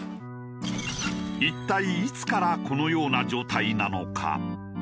一体いつからこのような状態なのか？